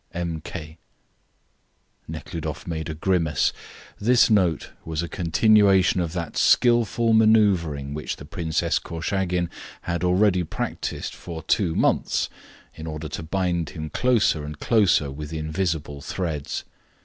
_ M. K. Nekhludoff made a grimace. This note was a continuation of that skilful manoeuvring which the Princess Korchagin had already practised for two months in order to bind him closer and closer with invisible threads.